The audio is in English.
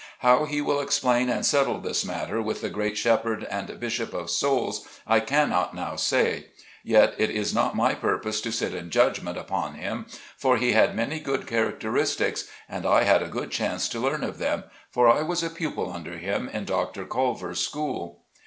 How he will explain and settle this matter with the great Shepherd and Bishop of souls, I cannot now say. Yet it is not my purpose to sit in judgment upon him, for he had many good characteristics, and I had a good chance to learn of them, for I was a pupil under him in Dr. Colver's school.